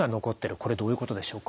これどういうことでしょうか？